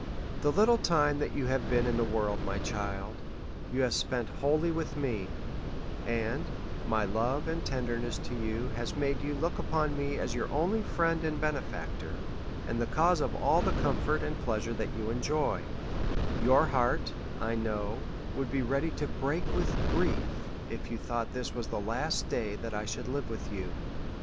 The little time that you haVe been in the world, my child, you have spent wholly with me ; and my love and tenderness to you, has made you look upon me as your only friend and benefactor, and the cause of all the comfort and pleasure that you enjoy : your heart, I know, would be ready to break with grief, if you thought this was the last day that I should live with you.